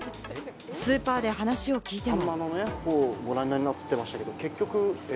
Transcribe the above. スーパーで話を聞いても。